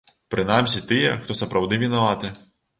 Прынамсі тыя, хто сапраўды вінаваты.